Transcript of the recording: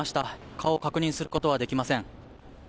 顔を確認することはできません。